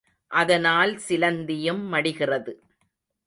அதனால் சிலந்தியும் மடிகிறது.